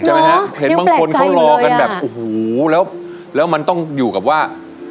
ใช่มั้ยครับเห็นบางคนเขาหลอกันแบบของแล้วมันต้องอยู่กับว่า